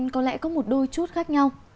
có lẽ có một đôi chút khác nhau